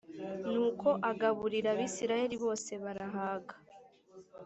nuko agaburira l abisirayeli bose barahaga.